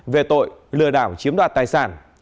về tội lừa đảo chiếm đoạt tài sản